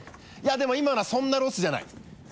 でも今のはそんなロスじゃない。